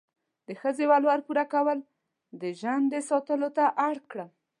د ښځې ولور پوره کولو، د ژندې ساتلو ته اړ کړم.